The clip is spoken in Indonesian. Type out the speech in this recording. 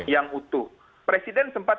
yang utuh presiden sempat